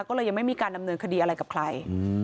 ก็เลยยังไม่มีการดำเนินคดีอะไรกับใคร